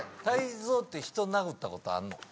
泰造って人殴ったことあんの？